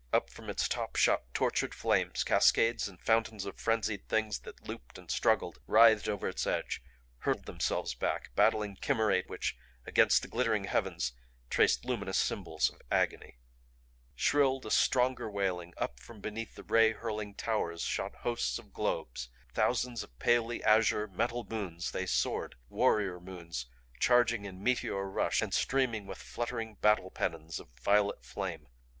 Up from its top shot tortured flames, cascades and fountains of frenzied Things that looped and struggled, writhed over its edge, hurled themselves back; battling chimerae which against the glittering heavens traced luminous symbols of agony. Shrilled a stronger wailing. Up from behind the ray hurling Towers shot hosts of globes. Thousands of palely azure, metal moons they soared; warrior moons charging in meteor rush and streaming with fluttering battle pennons of violet flame.